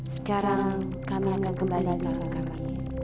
sekarang kami akan kembali dalam kamar